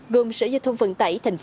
gồm sở giao thông vận tải tp hcm